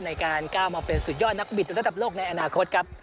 ในการก้าวมาเป็นสุดยอดนักบิดระดับโลกในอนาคตครับ